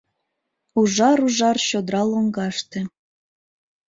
Ужар-ужар чодыра лоҥгаште